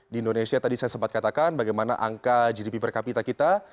di indonesia tadi saya sempat katakan bagaimana angka gdp per kapita kita